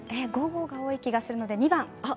午後が多い気がするので２番。